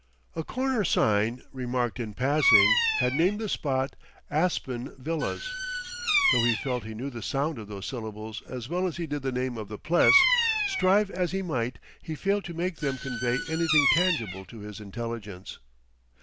A corner sign, remarked in passing, had named the spot "Aspen Villas"; though he felt he knew the sound of those syllables as well as he did the name of the Pless, strive as he might he failed to make them convey anything tangible to his intelligence.